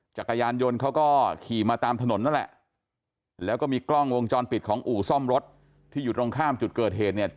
จักรยานยนต์เขาก็ขี่มาตามถนนนั่นแหละแล้วก็มีกล้องวงจรปิดของอู่ซ่อมรถที่อยู่ตรงข้ามจุดเกิดเหตุเนี่ย